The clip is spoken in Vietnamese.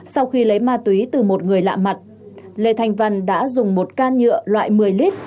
sau khi lấy ma túy từ một người lạ mặt lê thanh vân đã dùng một can nhựa loại một mươi lít